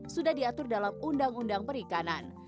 sudah diatur dalam undang undang perikanan